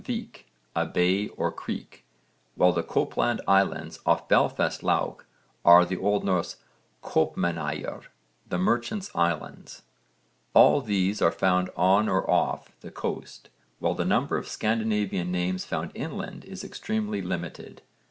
vík a bay or creek, while the Copeland Islands off Belfast lough are the O.N. kaupmannaeyjar, 'the merchants' islands.' All these are found on or off the coast, while the number of Scandinavian names found inland is extremely limited.